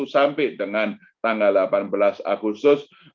sampai dengan tanggal delapan belas agustus